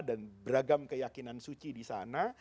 dan beragam keyakinan suci disana